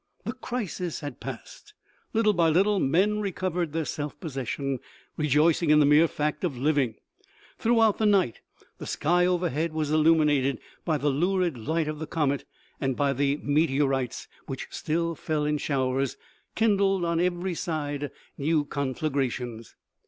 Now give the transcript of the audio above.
The crisis had passed. Little by little, men recovered their self possession, rejoicing in the mere fact of living. Throughout the night, the sky overhead was illumi nated by the lurid light of the comet, and by the meteor ites which still fell in showers, kindled on every side new OMEGA THE COUNCIL ASSEMBLED UNDER THE DOME OF ST. PETER'S. OMEGA. 183 conflagrations.